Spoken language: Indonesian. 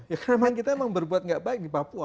ya karena kita memang berbuat nggak baik di papua